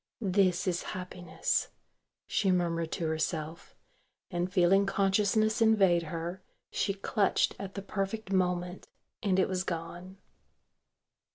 "This is happiness," she murmured to herself, and feeling consciousness invade her, she clutched at the perfect moment, and it was gone.